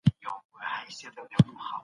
د مڼې خوړل د ویښتانو سپینیدو مخه نیسي.